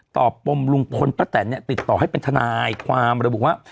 ปมลุงพลป้าแตนเนี่ยติดต่อให้เป็นทนายความระบุว่า